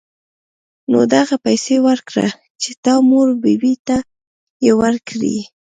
نو دغه پيسې وركه چې د تا مور بي بي ته يې وركي.